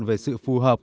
về sự phù hợp